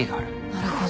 なるほど。